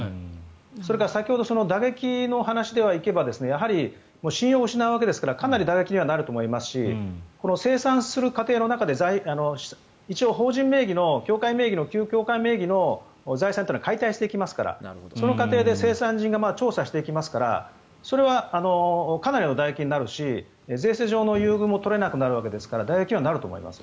それから先ほどの打撃の話ですが信用を失われるですからかなり打撃になると思いますし清算する過程の中で一応、教会名義の旧教会名義の財産というのは解体していきますからその過程で清算人が調査していきますからそれはかなりの打撃になるし税制上の優遇も取れなくなるわけですから打撃にはなると思います。